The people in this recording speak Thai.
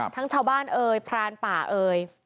ทั้งชาวบ้านเอยพรานป่าเอย